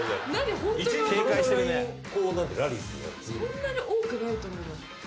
そんなに多くないと思います